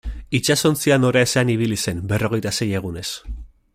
Itsasontzia noraezean ibili zen berrogeita sei egunez.